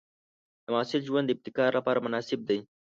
د محصل ژوند د ابتکار لپاره مناسب دی.